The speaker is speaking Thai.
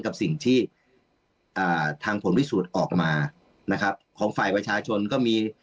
กับสิ่งที่อ่าทางผลพิสูจน์ออกมานะครับของฝ่ายประชาชนก็มี